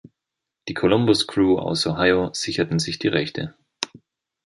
Die Columbus Crew aus Ohio sicherten sich die Rechte.